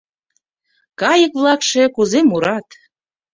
Кайык-влакше кузе мурат!